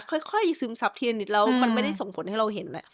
ค่อยซึมซับเทียนอีกแล้วมันไม่ได้ส่งผลให้เราเห็น